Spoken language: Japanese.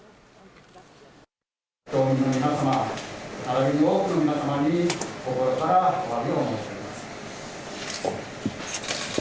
町民の皆様、ならびに多くの皆様に心からおわびを申し上げます。